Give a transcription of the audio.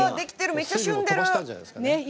めっちゃしゅんでる！